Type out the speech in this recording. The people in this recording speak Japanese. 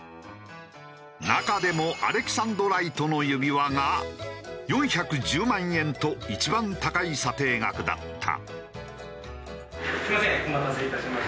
中でもアレキサンドライトの指輪が４１０万円と一番高い査定額だった。